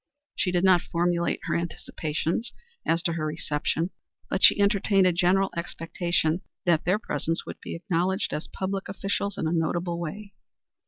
She did not formulate her anticipations as to her reception, but she entertained a general expectation that their presence would be acknowledged as public officials in a notable way.